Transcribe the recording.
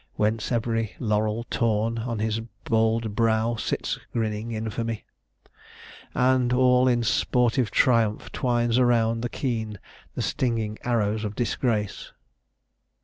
whence every laurel torn, On his bald brow sits grinning infamy: And all in sportive triumph twines around The keen, the stinging arrows of disgrace."